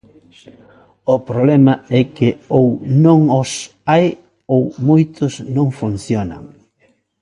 O problema é que ou non os hai ou moitos non funcionan.